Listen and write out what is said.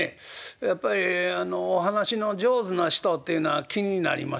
やっぱりお話の上手な人っていうのは気になりましてね